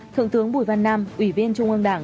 thượng tướng bùi văn nam ủy viên trung ương đảng